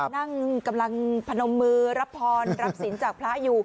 นั่งกำลังพนมมือรับพรรับศิลป์จากพระอยู่